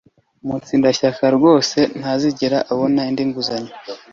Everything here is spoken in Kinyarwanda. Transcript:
Mutsindashyaka rwose ntazigera mbona indi nguzanyo